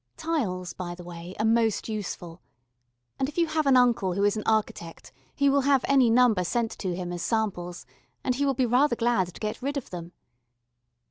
Tiles, by the way, are most useful, and if you have an uncle who is an architect he will have any number sent to him as samples, and he will be rather glad to get rid of them.